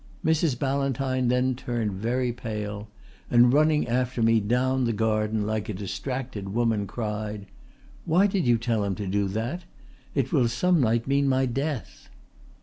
"'Mrs. Ballantyne then turned very pale, and running after me down the garden like a distracted woman cried: "Why did you tell him to do that? It will some night mean my death."'